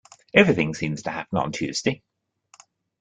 Everything seems to happen on Tuesday.